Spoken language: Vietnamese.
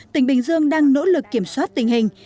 tỉnh bình dương đang nỗ lực kiểm soát tình hình